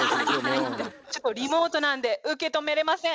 ちょっとリモートなんで受け止めれません。